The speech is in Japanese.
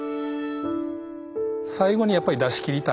最後にやっぱり出しきりたい。